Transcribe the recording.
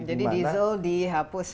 jadi diesel dihapus